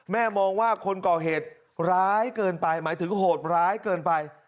มองว่าคนก่อเหตุร้ายเกินไปหมายถึงโหดร้ายเกินไป